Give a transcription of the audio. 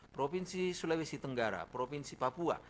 provinsi sulawesi tenggara provinsi papua